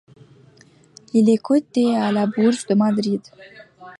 Il est coté à la bourse de Madrid.